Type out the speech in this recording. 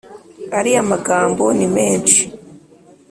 ariya magambo nimenshi